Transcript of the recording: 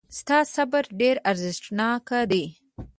ستا صبر ډېر ارزښتناک دی.